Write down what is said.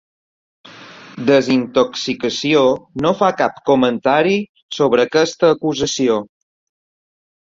Desintoxicació no fa cap comentari sobre aquesta acusació.